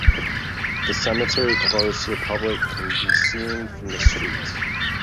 The cemetery, closed to the public, can be seen from the street.